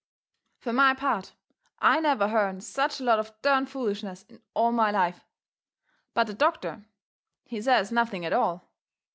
Fur my part, I never hearn such a lot of dern foolishness in all my life. But the doctor, he says nothing at all.